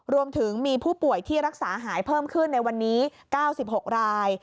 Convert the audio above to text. รวมถึงมีผู้ป่วยที่รักษาหายเพิ่มขึ้นในวันนี้๙๖ราย